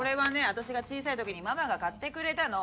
私が小さい時にママが買ってくれたの。